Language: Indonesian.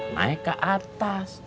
naik ke atas